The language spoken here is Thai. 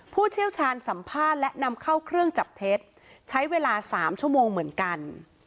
ผู้เชี่ยวชาญสัมภาษณ์และนำเข้าเครื่องจับเท็จใช้เวลา๓ชั่วโมงเหมือนกัน